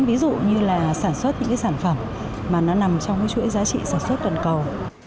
ví dụ như là sản xuất những sản phẩm mà nó nằm trong chuỗi giá trị sản xuất tuần cầu